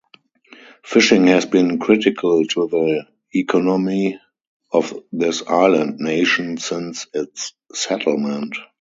Fishing has been critical to the economy of this island nation since its settlement.